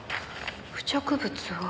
付着物は。